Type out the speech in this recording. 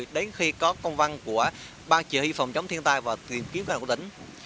đến khi có công văn của ban chỉ huy phòng chống thiên tai và tìm kiếm các đảng cổ tỉnh